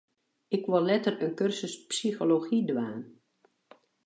Ik wol letter in kursus psychology dwaan.